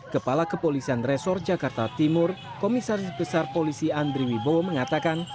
kepala kepolisian resor jakarta timur komisaris besar polisi andri wibowo mengatakan